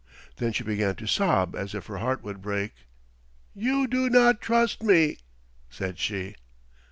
Then she began to sob as if her heart would break. "You do not trust me," said she.